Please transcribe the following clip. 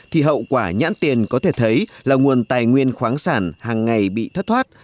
thì hậu quả nhãn tiền có thể thấy là nguồn tài nguyên khoáng sản hàng ngày bị thất thoát